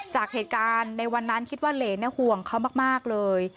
จากเหตุการณ์ในวันนั้นคิดว่าเหรนห่วงเขามากเลย